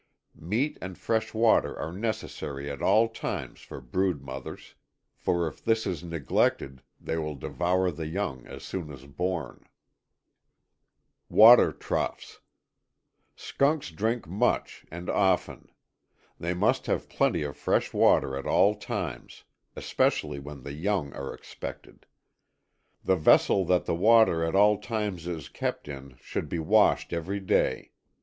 Meat and fresh water are necessary at all times for brood mothers, for if this is neglected they will devour the young as soon as born. 10.ŌĆöWater Troughs. Skunks drink much, and often. They must have plenty of fresh water at all times; especially when the young are expected. The vessel that the water at all times is kept in should be washed every day.